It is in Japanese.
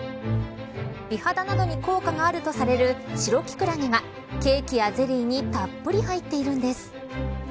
美肌などに効果があるとされるシロキクラゲがケーキやゼリーにたっぷり入っているんです。